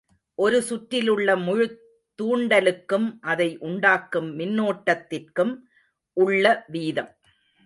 ஒரு சுற்றிலுள்ள முழுத் தூண்டலுக்கும் அதை உண்டாக்கும் மின்னோட்டத்திற்கும் உள்ள வீதம்.